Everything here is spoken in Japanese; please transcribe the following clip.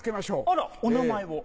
あらお名前を。